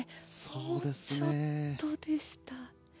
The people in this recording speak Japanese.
もうちょっとでした。